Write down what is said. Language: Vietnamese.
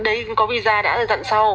đấy có visa đã là dặn sau